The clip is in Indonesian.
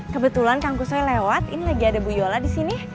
kebetulan kang kuswe lewat ini lagi ada bu yola di sini